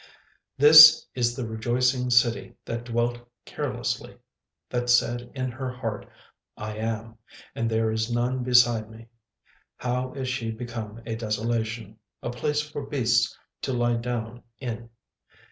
36:002:015 This is the rejoicing city that dwelt carelessly, that said in her heart, I am, and there is none beside me: how is she become a desolation, a place for beasts to lie down in!